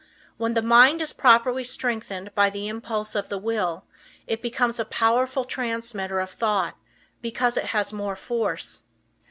When the mind is properly strengthened by the impulse of the will it becomes a more powerful transmitter of thought, because it has more force.